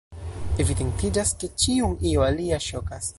Evidentiĝas, ke ĉiun io alia ŝokas.